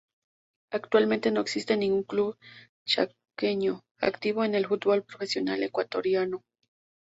Actualmente, no existe ningún club chaqueño activo en el fútbol profesional ecuatoriano.